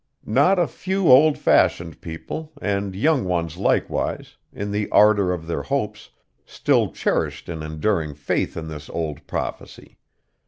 Not a few old fashioned people, and young ones likewise, in the ardor of their hopes, still cherished an enduring faith in this old prophecy.